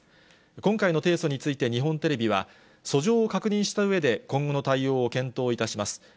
今回の提訴について日本テレビは、訴状を確認したうえで今後の対応を検討いたします。